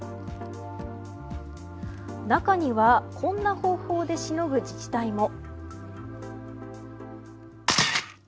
中にはこんな方法でしのぐ自治体も。